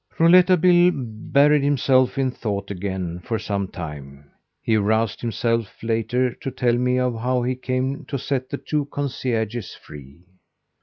Rouletabille buried himself in thought again for some time. He aroused himself later to tell me of how he came to set the two concierges free.